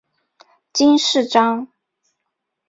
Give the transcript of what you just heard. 金饰章。